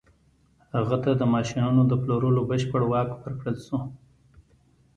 هغه ته د ماشينونو د پلورلو بشپړ واک ورکړل شو.